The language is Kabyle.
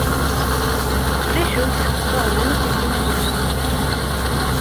D acu-tt teɣlent n yimawlan-nnek?